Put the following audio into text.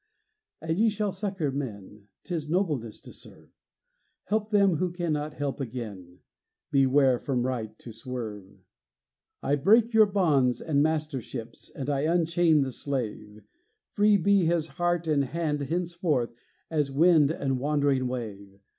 And ye shall succor men; 'Tis nobleness to serve; Help them who cannot help again: Beware from right to swerve. I break your bonds and masterships, And I unchain the slave: Free be his heart and hand henceforth As wind and wandering wave.